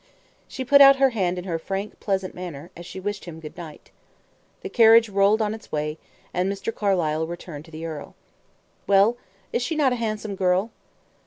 She put out her hand in her frank, pleasant manner, as she wished him good night. The carriage rolled on its way, and Mr. Carlyle returned to the earl. "Well, is she not a handsome girl?"